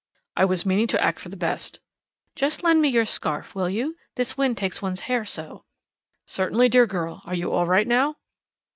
"I was meaning to act for the best." "Just lend me your scarf, will you? This wind takes one's hair so." "Certainly, dear girl. Are you all right now?"